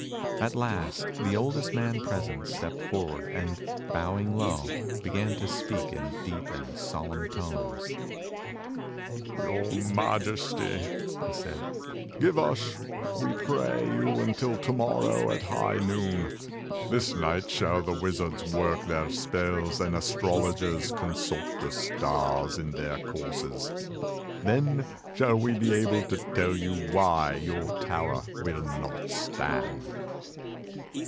At last the oldest man present stepped forward and bowing low, began to speak in deep and solemn tones; "Your Majesty," said he, "give us we pray you until tomorrow at high noon. This night shall the wizards work their spells and the astrologers consult the stars in their courses. Then shall we be able to tell you why your tower will not stand."